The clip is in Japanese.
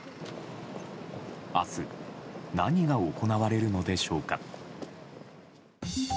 明日何が行われるのでしょうか？